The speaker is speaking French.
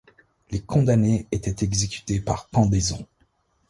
Les condamnés étaient exécutés par pendaison.